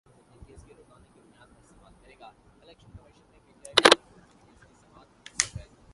عمران خان کی دلیل تھی کہ اب فرشتے کہاں سے آئیں؟